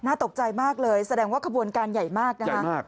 ตกใจมากเลยแสดงว่าขบวนการใหญ่มากนะคะ